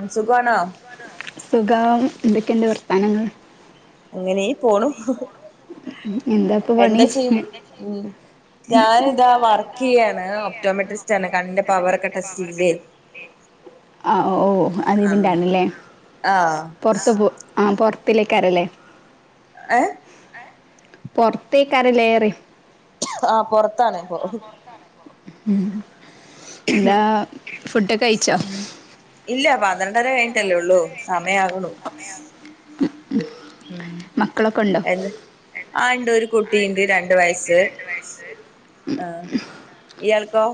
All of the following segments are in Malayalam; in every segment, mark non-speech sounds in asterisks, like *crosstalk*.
ആ സു ഖവാണോ അങ്ങനെ പോണു എന്താ ഇപ്പ പണി ഞാനിതാ വർക്ക് ചെയ്യയാണ് ഒപ്റ്റോമെട്രിസ്റ്റ് ആണ് കണ്ണിന്റെ പവർ ഒക്കെ ടെസ്റ്റ് ചെയ്യില്ലേ ഓ ഓ അത് ഇതിന്റാണല്ലേ പുറത്ത് പോ ആ പുറ ത്തിലെക്കാരല്ലേ ഏ പൊറത്തേയ്ക്കാരലേ ആ.. പൊറത്താണിപ്പൊ മ്... ന്താ.. ഫുഡൊക്കെ കഴിച്ചോ? പന്ത്രണ്ടരകഴിഞ്ഞിട്ടെല്ലൊള്ളു സമയാകുണു മ്.. മക്കളൊ? എത്‌ ആ.. ണ്ട് ഒരു കുട്ടിയിണ്ട് രണ്ടു വയസ്സ്. ആ.... ഇയാൾക്കോ?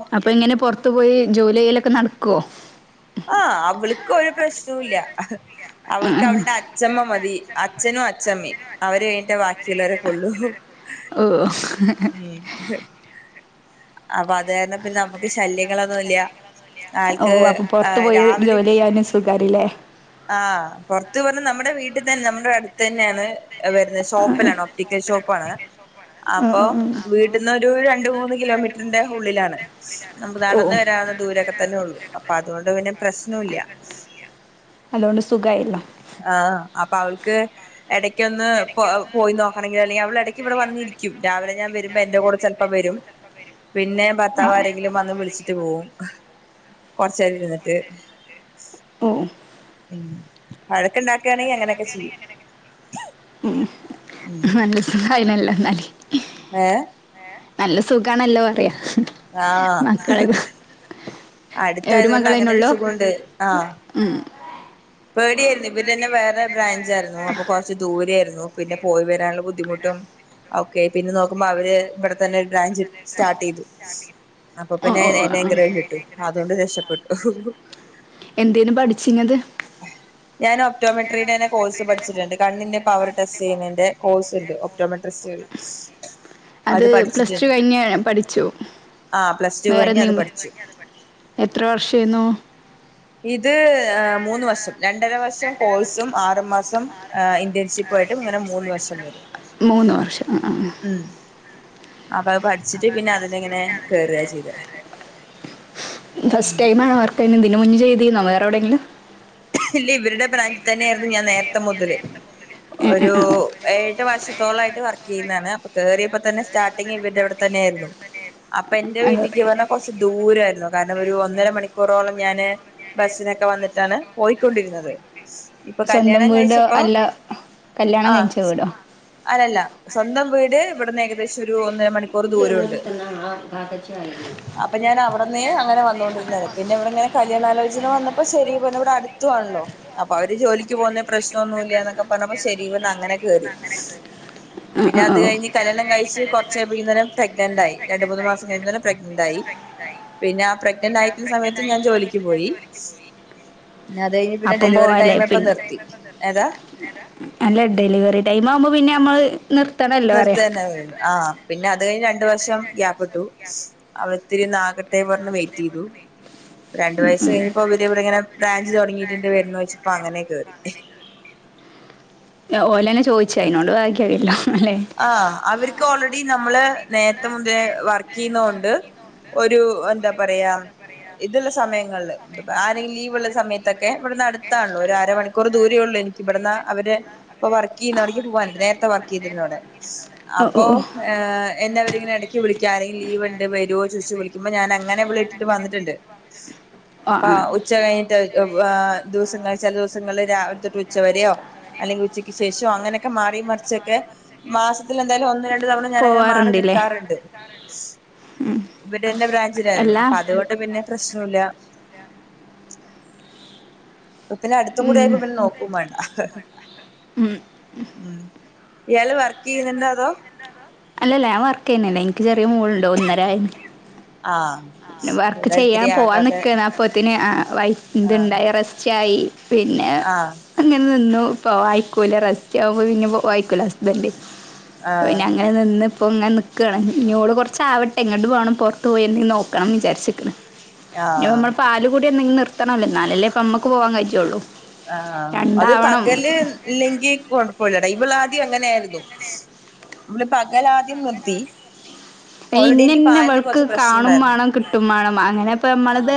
പൊറത്ത് പോയി ജോലിചെയ്യലൊക്കെ നടക്കോ...? ആ... അവൾക്കൊരു പ്രശ്നോല്ല്യാ.... അവൾക്ക് അവളുടെ അച്ഛമ്മ മതി. അച്ഛനും, അച്ഛമ്മയും അവര് കഴിഞ്ഞിട്ടേ ബാക്കി ചിലരൊക്കൊള്ളു. ഉം.. അപ്പൊ അത് കാരണം പിന്നെ നമുക്ക് ശല്യങ്ങളൊന്നൂല്ല്യാ... ഓ... അപ്പൊ പുറത്തു പോയി ജോലി ചെയ്യാനും സുഖാണ്ല്ലേ... ആ... പൊറത്ത്ന്ന്പറഞ്ഞാ നമ്മുടെ വീട്ടിൽ തന്നെ നമ്മുടെ അടുത്ത് തന്നെയാണ് വരുന്നത് ഷോപ്പെന്നാണ് ഒപ്റ്റിക്കൽ ഷോപ്പാണ്. അപ്പൊ വീട്ട്ന്ന് ഒരു രണ്ട് രണ്ട്, മൂന്ന് കിലോമീറ്ററിന്റെ ഉള്ളിലാണ്. നമ്ക്ക് നടന്ന് വരാവുന്ന ദൂരൊക്കെ തന്നെഒള്ളു അപ്പൊ അതുകൊണ്ട് പിന്നെ പ്രശ്നോല്ല്യ. സുഖായല്ലൊ. ആ... അപ്പൊ അവൾക്ക് എടയ്ക്കൊന്ന് പൊ പോയി നോക്കണെങ്കിലോ അല്ലെങ്കിലവള് എടക്കിവിടെ വന്നിരിക്കും രാവിലെ ഞാൻ വരുമ്പോ എന്റെ കൂടെ ചെലപ്പം വരും പിന്നേ.. ഭർത്താവാരെങ്കിലും വന്ന് വിളിച്ചിട്ട് പോവും കൊറച്ചേരരിന്നിട്ട്. ഓ... മ്.. വഴക്കിണ്ടാ വഴക്കിണ്ടാകാണെങ്കി എങ്ങനേലും...... മ്.... മനസ്സിലായില്ലല്ലോ ന്നാലിക്ക് ഏ നല്ല സുഖാണല്ലോറയാ ആ..... അടുത്തായതോണ്ട് അങ്ങനൊരു സുഖണ്ട് അ പേടിയാര്ന്ന് ഇവ്ട്ന്നന്നെ വേറെ ബ്രാഞ്ചാർന്നു അപ്പൊ കുറച്ച് ദൂരയാർന്നു പിന്നെ പോയി വരാനുള്ള ബുദ്ധിമുട്ടും ഓക്കെ. പിന്നെ നോക്കുമ്പോ അവര് ഇവിടെ തന്നെ ബ്രാഞ്ച് സ്റ്റാർട്ടെയ്തു അപ്പൊ പിന്നെ എന്നെങ്ക്ട് ട്ടു രക്ഷപ്പെട്ടു എന്തേലും പഠിച്ചീന്നത്? ഞാൻ ഒപ്റ്റോമെട്രിടെന്നെ കോഴ്സ് പഠിച്ചിട്ട്ണ്ട് കണ്ണിന്റെ പവർ ടെസ്റ്റെയ്നെന്റെ കോഴ്സ്ണ്ട് ഓപ്റ്റൊമെട്രെസെയിൽസ് അത് പ്ലസ്ടു കഴിഞ്ഞ് പഠിച്ചു. വേറെന്തെങ്കിലും എത്ര വർഷേന്നു? ഇത്... മൂന്ന് വർഷം. രണ്ടര വർഷം കോഴ്സും ആറു മാസം ഇന്റേൺഷിപ്പു മായിട്ടും ഇങ്ങന മൂന്ന് വർഷം വരും. മൂന്ന് വർഷം അ അ അപ്പ അഅ് പ ഫസ്റ്റ് ടൈമാണോ വർക്കെയ്ണത്? ഇതിന്റെ മുന്നെ ചെയ്തിന്നോ വേറെവ്ടേലും ഇല്ലവിരുടെ ബ്രാഞ്ച് തന്നെയായിരുന്നു ഞാൻ നേരത്തെ മുതല് ഒരൂ... ഏഴ്, ഏട്ട് വർഷ ത്തോളായിട്ട് വർക്കെയ്ന്നാണ് അപ്പൊ കേറിയപ്പതന്നെ സ്റ്റാർട്ടിങ് ഇവന്റുവിടെത്തന്നായിരുന്നു അപ്പൊ എന്റെ വീട്ടിക്ക് വരനെകുറച്ച് ദൂരായിരുന്നു കാരണമൊരു ഒന്നര മണിക്കൂറോളം.. ഞാന്.. ബസ്സിനൊക്കെ വന്നിട്ടാണ് പോയിക്കൊണ്ടിരുന്നത് ഇപ്പൊ കല്യാണം കഴിച്ചപ്പൊ ആ അല്ലല്ല സ്വന്തം വീട് ഇവിടുന്ന് ഏകദേശം ഒരു ഒന്നര മണിക്കു ർ ദൂരോണ്ട് അപ്പൊ ഞാൻ അവിടന്നെ അങ്ങനെ വന്നൊണ്ടിരുന്ന പിന്നെ ഇവിടിങ്ങനെ കല്യാണാലോചന വന്നപ്പോ ശരി പറഞ്ഞ് ഇവിടെ അടുത്ത തു ആണല്ലോ അപ്പൊ അവര് ജോലിക്ക് പോവ്ന്നേ പ്രശ്നൊന്നുല്ല്യന്നൊക്കെ പറഞ്ഞപ്പോ ശരീ പിന്നങ്ങനെ കേറി പിന്നെ അത് കഴിഞ്ഞ് കല്യാണം കഴിച്ച് കൊറച്ച് അയപ്പിങ്ങന പ്രെഗ്നന്റ് ആയി രണ്ട് മൂന്ന് മാസം കഴിഞ്ഞേരം പ്രഗ്നന്റ് ആയി പിന്നെ ആ പ്രഗ്നന്റ് ആയിക്ക്ന്ന സമയത്ത് ഞാൻ ജോലിക്ക് പോയി പിന്ന അത് കഴിഞ്ഞ് പിന്നെ ഡെലിവറി ടൈം ആയപ്പൊ നിർത്തി ഏതാ അല്ല ഡെലിവറി ടൈം ആവ്മ്പോ പിന്നെ അമ്മള് നിർത്തന്നെ വേണ്ടു ആ പിന്നെ അത് കഴിഞ്ഞ് രണ്ട് വർഷം ഗ്യാപ്പിട്ടു അവിളിത്തിരി ഒന്ന് ആകട്ടെ പറഞ്ഞ് വെയിറ്റെയ്തു രണ്ട് വയസ്സ് കഴിഞ്ഞപ്പോ അവര് ഇവിടെ ഇങ്ങനെ ബ്രാഞ്ച് തുടങ്ങിട്ടിണ്ട് വരന്നോച്ച് പ്പ അങ്ങനേ കേറി ഓലന്നെ ചോയ്ച് അയിനോട് ഭാഗ്യായല്ലൊ ല്ലേ ആ അവര്ക്ക് ഓൾറെഡി നമ്മള് നേര്ത്തെ മുതലെ വർക്കെയ്യ്ന്നോണ്ട് ഒരു എന്താ പറയാ ഇതുള്ള സമയങ്ങളില് ഈ ആരെങ്കിലും ലീവുള്ള സമയത്തൊക്കെ ഇവിടുന്ന് അടുത്താണല്ലോ ഒരു അരമണിക്കൂർ ദൂരേ ഉള്ളൂ എനിക്ക് ഇവിടന്ന് അവര് ഇപ്പ വർക്ക് ചെയ്യ്ന്നോട് ക്ക് പോവാൻ നേരത്തെ വർക്ക് ചെയ്തിരുന്ന അവെടെ അപ്പോ എന്നെ അവരിങ്ങനെ എടക്ക് വിളിക്കാ ആരെങ്കിലും ലീവ് ഇണ്ട് വരുവോ ചോ യിച്ച് വിളിക്കുമ്പോ ഞാൻ ഞങ്ങനെ ഇവളെട്ടിട്ട് വന്നിട്ടിണ്ട് പ്പ ഉച്ച കഴിഞ്ഞിട്ട് ആ ദിവസങ്ങൾ ചില ദിവസങ്ങളില് രാവില്ത്തൊട്ട് ഉച്ചവരെയോ അല്ലെങ്കിൽ ഉച്ചക്ക് ശേഷോ അങ്ങനക്ക മാറീം മറിച്ചൊക്കെ തിൽ എന്തായാലും ഒന്ന് രണ്ട് തവണ ഞാനങ്ങന മാറി നിക്കാറിണ്ട് ഇവിടെന്നെ ബ്രാഞ്ചിലാരുന്നു അപ്പൊ അതുകൊണ്ട് പിന്നെ പ്രശ് ന്നുല്ലാ ഇപ്പ പിന്നെ അടുത്തും കൂടെ ആയപ്പോ പിന്നെ നോക്കും വേണ്ട ഉം ഇയാള് വർക്കെയ്യുന്നുണ്ടോ അതോ അല്ലല്ല ഞാൻ വർക്ക് ചെയ്യനില്ല എനിക്ക് ചെറിയ മോളുണ്ട് ഒന്നര ആ വർക്ക് ചെയ്യാ പോവാ നക്കാണ് അപ്പൊത്തേന് വൈ ഇതിണ്ടായി റെസ്റ്റ് ആയി പിന്നെ അങ്ങനെ നിന്നു ഇപ്പോ ആയിക്കൂല റെസ്റ്റ് *inaudible* പിന്ന വയിക്കൂല ഹസ്ബൻഡ് പിന്നങ്ങന നിന്ന് ഇപ്പൊ ഇങ്ങനെ നിക്കറണ് ഓള് കൊറച്ച് ആവട്ടെ എങ്ങോട്ട് പോവണം പുറത്ത് പോയി എന്തേലും നോക്കണം വിചാരിച്ചിക്കണ് നമ്മള പാലുകുടി എന്നെങ്കിലും നിർത്തണോല്ലോ എന്നാലല്ലെ പ്പ മ്മക്ക് പോവാൻ കഴിയള്ളൂ ആ അത് പകല് ഇല്ലെങ്കി കൊഴപ്പില്ലട ഇവളാദ്യം അങ്ങനെ ആയിരുന്നു നമ്മള് പകലാദ്യം നിർത്തി ഇന്നിന്നെ അവൾക്ക് കാണും മേണം കിട്ടും മേണം അങ്ങനിപ്പ നമ്മളത്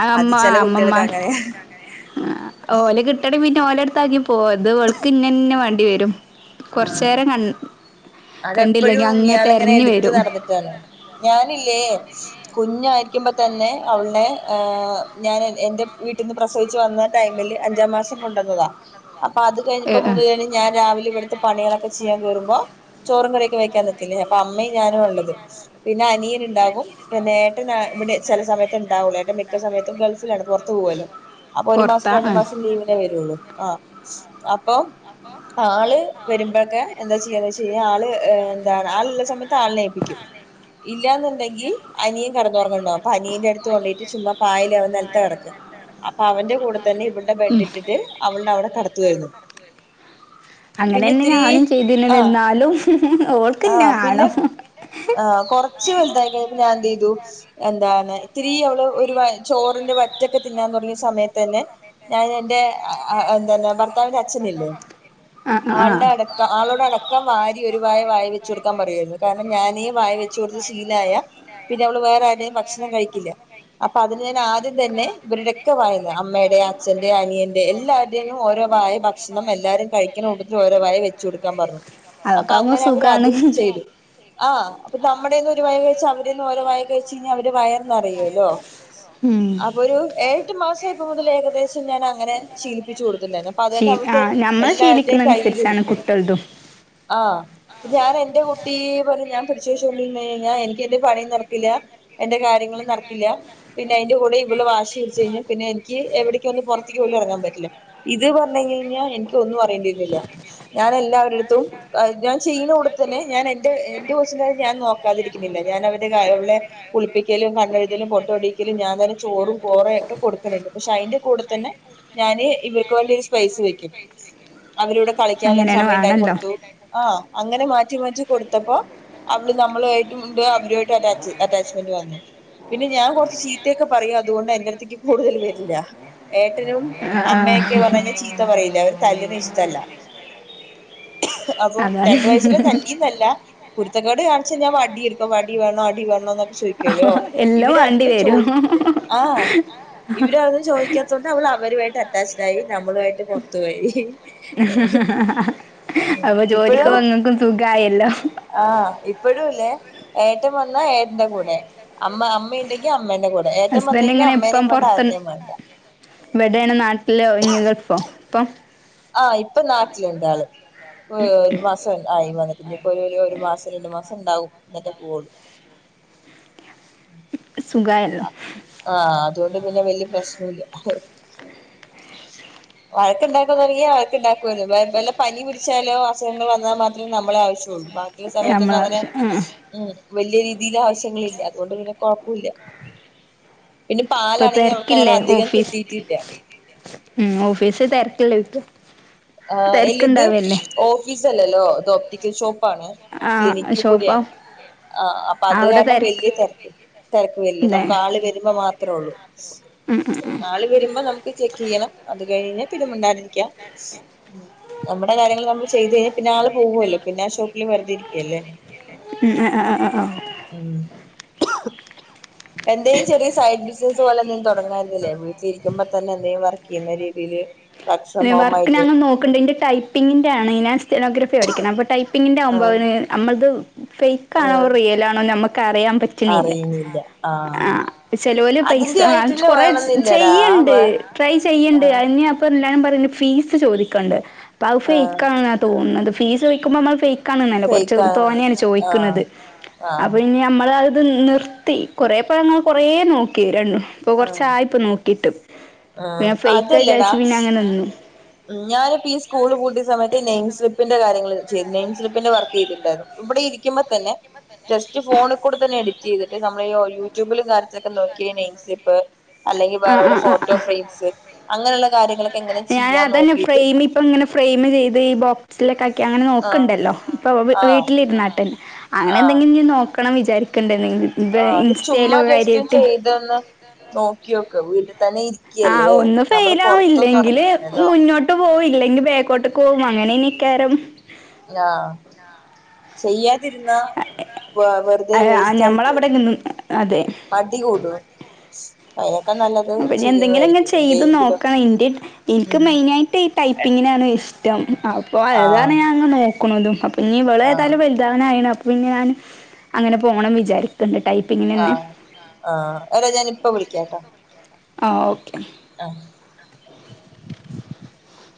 ആ അമ്മ അമ്മമാർ ഓല കിട്ടണ പിന്നെ ഓരടുത്ത ആക്കി പോവ ഇത് വിൾക്ക് ഇന്നിന്നെ വേണ്ടി വരും കൊറച്ച് നേരം ക കണ്ടില്ലെങ്കി അങ്ങ തെരഞ്ഞ് വരും നടന്നിട്ടാണ് ഞാനില്ലേ കുഞ്ഞായിരിക്കുമ്പൊ തന്നെ അവളെ ഞാൻ എന്റെ വീട്ടിന്ന് പ്രസവിച്ച് വന്ന ടൈമ ല് അഞ്ചാം മാസം കൊണ്ടന്നതാ അപ്പൊ അത് കഴിഞ്ഞപ്പോ മുതല് ഞാൻ രാവിലെ ഇവിടുത്തെ പണികളൊക്കെ ചെയ്യാൻ കേറുമ്പോ ചോറും കറിയൊക്കെ വെക്കാൻ നിക്കില്ലേ അപ്പൊ അമ്മേം ഞാനും ഉള്ളത് പിന്നെ അനിയ ഉണ്ടാകും പിന്ന ഏട്ടൻ ഇവിടെ ചില സമയത്ത് ഇണ്ടാവുള്ള ഏട്ട മിക്ക സമയത്തും ഗൾഫിലാണ് പുറത്ത്ു പോവല്ലോ അപ്പൊ ഒരു മാസം രണ്ടു മാസം ലീവിനേ വരുള്ളു ആ് അപ്പൊ ആള് വരുമ്പഴക്കെ എന്താ ചെയ്യാ വെ ആള് എന്താ ആളിള്ള സമയത്ത് ആളിനേപ്പിക്കും ഇല്ലാന്നുണ്ടെങ്കി അനിയൻ കിടന്നുറങ്ങ പ്പനിയന്റ അടുത്ത് കൊണ്ടിട്ട് ചുമ്മാ പായിൽ അവൻ നിലത്ത കിടക്ക അപ്പൊ അവന്റെ കൂടെ തന്നെ ഇവളുടെ ബെഡ് ഇട്ടിട്ട് അവളുട അവിട കടത്തുവാരുന്നു പിന്നെ ഇത്തിരി ആഹ ആഹ പിന്നെ ആഹ കൊറച്ച് വലുതായി കഴിഞ്ഞപ്പ ഞാൻ എന്ത് ചെയ്തു എന്താണ് ഇത്തിരി അവള് ഒരു ചോറിന്റെ വറ്റൊക്കെ തിന്നാൻ തുടങ്ങിയ സമയത്ത് തന്നെ ഞാൻ എന്റെ ഭർത്താവിന് അച്ഛനില്ലെനു ആൾടെ അടക്ക് അടക്ക് വാരി ഒരു വായ വായ വെച്ച് കൊടുക്കാൻ പറയാരുന്നു കാരണം ഞാനീ വായ വെച്ച് കൊടുത്ത് ശീലായ പിന്നെ അവള് ഭക്ഷണം കഴിക്കില്ല അപ്പോ അതിന് ഞാൻ ആദ്യേ ഇതെന്റെ ഇവരുടെയൊക്കെ വായന്ന് അമ്മയുടെ അച്ഛന്റെ അനിയന്റെ എല്ലാവരുടെന്നും ഓരോ വായ ഭക്ഷണം എല്ലാവരും കഴി ഇങ്ങനെ *unintelligible* ഓരോ വായ വച്ച് കൊടുക്കാൻ പറഞ്ഞു അപ്പൊ അങ്ങനെ അവര് അതും ചെയ്തു ആഹ് അപ്പൊ നമ്മുടെന്ന് ഒരു വായ് കഴിച്ച് അവരെന്നും ഓരൊ വായ കഴിച് ഇനി അവര് വയറിന്റെ നിറയല്ലോ അപ്പൊ ഒരു എഴെട്ട് മാസആയപ്പോമുതല് ഏകദേശം ഞാൻ അങ്ങനെ ശീലിപ്പിച്ച് കൊടുത്തിട്ടണ്ടായിരുന്നു അപ്പൊ അത് തന്നെ നമ്മുക്ക് എല്ലാവരുടെേയും കയ്യില് എടുക്കും ട്ടും ആ ഞാൻ എന്റെ കുട്ടിപറഞ് ഞാൻ പിടിച്ചുവച്ചുണ്ടിരുന്നുകഴിഞ്ഞ കഴിഞ്ഞാ എനിക്ക് എന്റെ പണിയും നടക്കില്ല എന്റെറെ കാര്യങ്ങൾ നടക്കില്ല പിന്നെ അയിന്റെ കൂടെ ഇവള് വാശി പിടിച്ച് കഴിഞ്ഞൽ പിന്നെ എനിക്ക് എവിടേക്ക് ഒന്ന് പുറത്തക്ക് പോലും എറങ്ങാൻ പറ്റില്ല ഇത് പറഞ്ഞഴിഞ്ഞാൽ എനിക്ക് ഒന്നും അറേണ്ടിരുന്നില്ല ഞാൻ എല്ലാവരെടുത്തും ഞാൻ ചെയ്യണ കൂടെത്തിതന്നെ ഞാൻ എന്റെ എന്റെ കൊചിന്റെ കാര്യം ഞാൻ നോക്കാതിരിക്കുന്നില്ല ഞാനവന്റെ അവളെ കുളിപ്പിക്കൽ കണ്ണഴുതലും പൊട്ടൊടിക്കലും ഞാൻ തന്നെ ചോറും കോറയും ഒക്കെ കൊടുക്കലുണ്ട് പക്ഷേ അയിന്റെ കൂടെ തന്നെ ഞാന് ഇവർക്ക് വേണ്ടി ഒരു സ്പേസ് വയ്ക്കും അവരിവിടെ കളിക്കാനുള്ള ഒരു സമയംണ്ടായി കൊടുത്തു ആഹ് അങ്ങനെ മാറ്റി മാറ്റി കൊടുത്തപ്പോ അവള് നമ്മളുമായിട്ടും മുണ്ടാ അവരുമായിട്ട് അറ്റാച്ച് അറ്റാച്ച്മെന്റ് വന്നു പിന്നെ ഞാൻ കൊർച്ച് ചീത്തയൊക്കെ പറയും അതുകൊണ്ട് എന്റെ അടുത്തേക്ക് കൂടുതല് വര്ല്ലാ ഏ ട്ടനും അമ്മയൊക്കെ പർഞ്ഞ് കഴിഞ്ഞാ ചീത്ത പറയില്ല അവര് തല്ലുന്നെ ഇഷ്ടല്ല അപ്പൊ രണ്ടു വയസ്സില് തല്ലീന്നല്ല കുരുത്തക്കേട് കാണി ച്ച് ഞാൻ വടി എട്ക്കും വടി വേണോ അടി വേണോ എന്നൊക്കെ ചോദിക്കല്ലോ ഇവര് അതൊന്നും ചോദിക്കില്ല ആഹ് ഇവര് അതൊന്നും ചോദിക്കാതോണ്ട് അവള് അവരുമായിട്ട് അറ്റാച്ച്ഡ് ആയി നമ്മളുമായിട്ട് പുറത്തു പോയി അപ്പൊ ജോലിക്കും അങ്ങക്കും സുഖയല്ലോ ആഹ് ഇപ്പഴുയില്ലേ ഏട്ടൻ വന്നാ ഏട്ടന്റെ കൂടെ അമ്മ അമ്മയുണ്ടെങ്കിൽ അമ്മേ- അമ്മേന്റെ കൂടെ ഏട്ടൻ വന്ന് കഴിഞ്ഞാൽ അമ്മേനേയും വേണ്ട ആരനെയും വേണ്ട ഇവിടെയാണ് നാട്ടിലെ ഉണ്ടോ *unintelligible* ഇപ്പം ആ ഇപ്പൊ നാട്ടിലുണ്ട് ആള് ഒരു മാസം ആയി വന്നിട്ട് ഇപ്പോ ഒരു ഒരു മാസം കിട്ടുമ്പോ - ഉണ്ടാവും എന്നിട്ടെ പോവള്ളൂ സുഖയല്ലോ അതുകൊണ്ട് പിന്നെ വല്യ പ്രശ്നോയില്ല വഴക്ക് ഇണ്ടാക്കാ തൊടങ്ങിയാ വഴക്ക് ഇണ്ടാക്കുവല്ലോ വല്ല പനി പിടിച്ചാലോ അസുഖങ്ങള് വന്നാ മാത്രേ നമ്മളെ ആവശ്യമുള്ളൂ ബാക്കിയുള്ള സമയത്തൊന്നും അങ്ങനെ ഉം വല്യ രീതിയിൽ ആവശ്യങ്ങില്ല അതുകൊണ്ട് പിന്നെ കൊഴപ്പില്ല ഇപ്പൊ തിരക്കില്ലേ ഓഫീസ് ഉം ഓഫീസ് തിരക്കില്ലേ ഓല്ക്ക് ആ ഇല്ല ഇത് ഓഫീസ് അല്ലല്ലോ ഇത് ഓപ്റ്റിക്കൽ ഷോപ്പ് പ്പാണ് ക്ലിനിക്കും കൂടിയാണ് ആ അപ്പൊ അത് കാരണം വല്യ തെരക്ക് തെരക്ക് വരില്ല നമുക്ക് ആള് വരുമ്പോ മാത്രേ ഒള്ളൂ ആള് വരുമ്പോ നമ- ചെക്ക് ചെയ്യണം അത് കഴിഞ്ഞ് പിന്നെ മിണ്ടാടിരിക്കാം നമ്മടെ കാര്യങ്ങള് നമ്മള് ചെയ്ത് കഴിഞ്ഞാൽ പിന്നെ ആള് പോവുവല്ലോ പിന്നെ ആ ഷോപ്പില് വെറുത ഇരിക്കയല്ലേ ഉം ആ ആ ആ *unintelligible* *inaudible* എന്തേലും ചെറിയ സൈഡ് ബിസിനസ് പോലെ എന്തേലും തൊടങ്ങാരുന്നില്ലേ വീട്ടിലിരിക്കുമ്പ തന്നെ എന്തേലും വർക്ക് ചെയ്യുന്നീതില് കക്ഷമവമായിട്ട് *unintelligible* നണ്ട്തിന്റെ ടൈപ്പിംഗിന്റെ ആണേ ഞാൻ സ്റ്റെനോഗ്രഫി പഠിക്കണേ അപ്പ ടൈപ്പിന്റെ ആകുമ്പോ അമ്പത് - ഫേക്ക് ആണോ റിയൽ ആണോ നമ്മക്ക്- അറിയാൻ പറ്റണില്ല ചെലോല് പൈസ കൊറേ ചെയ്യ് - ണ്ട് ട്രൈ ചെയ്യണ്ട് അയിനി അപ്പം എല്ലാരും പറയെണ്ട് ഫീസ് ചോദിക്കെണ്ട് അപ്പത് ഫേക്കാന്ന തോന്നുന്നത് ഫീസ് ചോദിക്കുമ്പോ നമ്മള് ഫേ ക്കാണെന്നല്ല കൊറച്ച് തോനേണ് ചോയ്ക്കുന്നത് അപ്പൊ ഇനി നമ്മള് അ ത് നിർത്തി കുറേ പഴങ്ങൾ കൊറേ നോക്കി രണ്ട് ഇപ്പൊ കൊറച്ചായിപ്പ നോക്കീട്ട്. ആഹ് അതില്ലെടാ പിന്നങ്ങനെ നിന്നു. ഉം ഞാനിപ്പ ഈ സ്കൂള് പൂട്ടിയ സമയത്ത് നെയിം സ്ലിപ്പി ന്റെ കാര്യങ്ങള് ചെയ്ത് നെയിം സ്ലിപ്പിന്റെ വർക്ക് ചെയ്തിണ്ടായിരുന്നു ഇവിടെ ഇരിക്കുമ്പത്തന്നെ ടെസ്റ്റ് ഫോണീക്കൂടിത്തന്നെ എഡിറ്റ് ചെയ്തിട്ട് നമ്മളെയൊ യൂട്യൂബിലും കാര്യത്തിലൊക്കെ നോക്കി നെയിം സ്ലിപ്പ് അല്ലെങ്കി വേറെവെല്ല ഫോട്ടോ ഫ്രെയിംസ് അങ്ങനെയുള്ള കാര്യങ്ങളൊക്കെ എങ്ങനേ ചെ അതന്നെ ഫ്രെയിം ഇപ്പ ഇങ്ങനെ ഫ്രെയിം ചെയ്ത് ഈ ബോക്സില ക്കങ്ങനെ നോ‌ക്കിണ്ടല്ലോ ഇപ്പ വി വീട്ടിലിരുന്നാട്ട് അങ്ങനെ എന്തെങ്കിലും ഇനി നോക്കണം വിചാരിക്ക ണ്ട് ഇൻ വെ ഇൻസ്റ്റയിലോ കാര്യാട്ട് നോക്കിയോക്ക് വീടി ആഹ് ഒന്നു ഫെയിലാവും ഇല്ലെങ്കില് മുന്നോട്ട് പോവും ഇല്ലെങ്കില് ബാക്കോട്ട് പോവും അങ്ങനേ നിക്കാരം ആ! ചെയ്യാതിരുന്നാ വ വെറുതെ വേസ്റ്റ് ആയി പോം അടി കൂട അ അപ്പൊ ഞൻ എന്തെങ്കിലും ഇങ്ങെ ചെയ്ത് നോക്കണം എ എനിക്ക് മെയിനയിട്ട് ഈ ടൈപ്പിങ്ങിനാണ് ഇഷം ം അപ്പൊ അഏതാണ് ഞാൻ അങ്ങ് നോക്കുന്നതും അപ്പൊ നീ ഇവള ഏതാലും വലുതാവ ആണ് പിന്നെ ഞാൻ അങ്ങനെ പോകണം വിചാരിക്കണ്ടി ആ! ആ! രാ ഞാൻ ഇപ്പ വിളിക്കാംട്ടോ ആ ഓക്കെ ആ! *inaudible*